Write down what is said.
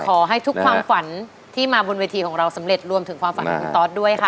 ขอให้ทุกความฝันที่มาบนเวทีของเราสำเร็จรวมถึงความฝันของคุณตอสด้วยค่ะ